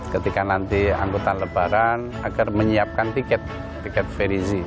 ketika nanti angkutan lebaran agar menyiapkan tiket tiket ferizi